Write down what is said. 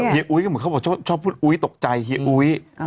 เฮียอุ้ยก็เหมือนเขาบอกชอบพูดอุ้ยตกใจเฮียอุ้ยอ๋อ